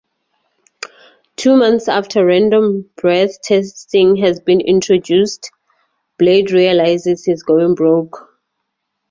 Two months after random breath testing has been introduced, Blade realises he's going broke.